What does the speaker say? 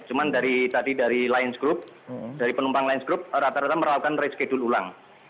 cuma dari tadi dari lions group dari penumpang lions group rata rata melakukan reschedule ulang